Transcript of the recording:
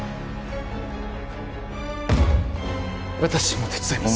私も手伝います